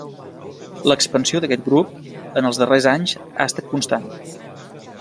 L'expansió d'aquest grup en els darrers anys ha estat constant.